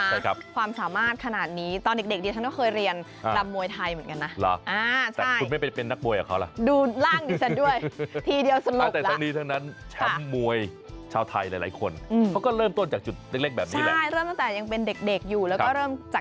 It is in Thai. ใช่ครับความสามารถขนาดนี้ตอนเด็กดิฉันก็เคยเรียนรำมวยไทยเหมือนกันนะ